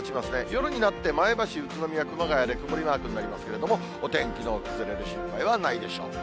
夜になって前橋、宇都宮、熊谷で曇りマークになりますけれども、お天気の崩れる心配はないでしょう。